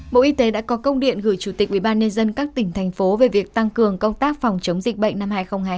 bộ y tế đã có công điện gửi chủ tịch ubnd các tỉnh thành phố về việc tăng cường công tác phòng chống dịch bệnh năm hai nghìn hai mươi